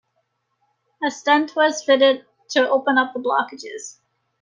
A stent was fitted to open up the blockages.